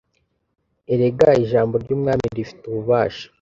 erega ijambo ry umwami rifite ububasha